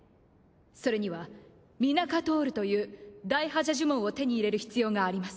それにはミナカトールという大破邪呪文を手に入れる必要があります。